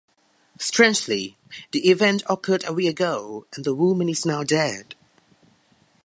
Strangely, the event occurred a week ago and the woman is now dead.